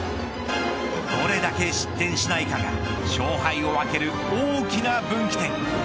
どれだけ失点しないかが勝敗を分ける大きな分岐点。